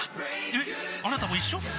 えっあなたも一緒？